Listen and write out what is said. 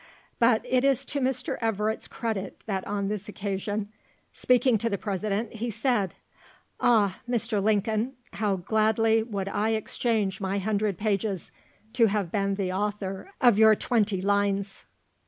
But it is to Mr. Everett's credit that on this occasion, speaking to the President, he said, "Ah! Mr. Lincoln, how gladly would I exchange my hundred pages to have been the author of your twenty lines."